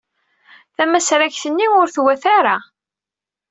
Tamasragt-nni ur twata ara.